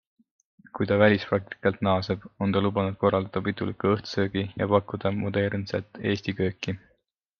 Kui ta välispraktikalt naaseb, on ta lubanud korraldada piduliku õhtusöögi ja pakkuda modernset Eesti kööki.